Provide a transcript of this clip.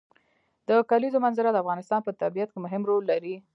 د کلیزو منظره د افغانستان په طبیعت کې مهم رول لري.